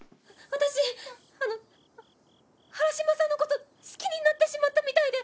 私あの原島さんの事好きになってしまったみたいで。